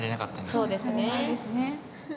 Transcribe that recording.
そうですね。